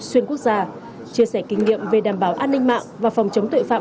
xuyên quốc gia chia sẻ kinh nghiệm về đảm bảo an ninh mạng và phòng chống tội phạm